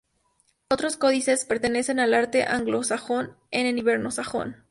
Otros códices pertenecen al arte anglosajón e hiberno-sajón.